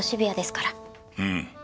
うん。